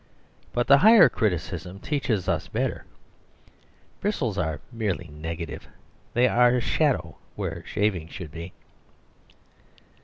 But the higher criticism teaches us better. Bristles are merely negative. They are a Shadow where Shaving should be.